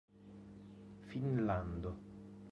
finnlando